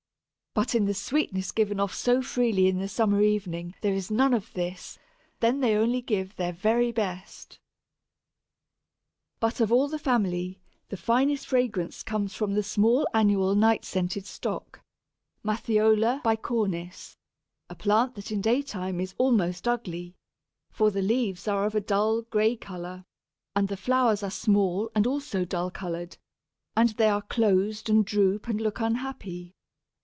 But in the sweetness given off so freely in the summer evening there is none of this; then they only give their very best. But of all the family, the finest fragrance comes from the small annual Night scented Stock (Matthiola bicornis), a plant that in daytime is almost ugly; for the leaves are of a dull grey colour, and the flowers are small and also dull coloured, and they are closed and droop and look unhappy.